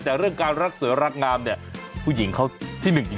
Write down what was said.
แต่เรื่องการรักสวยรักงามเนี่ยผู้หญิงเขาที่หนึ่งจริง